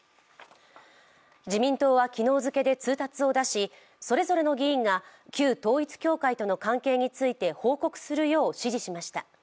自民党は昨日付で通達を出しそれぞれの議員が旧統一教会との関係について報告するよう指示しました。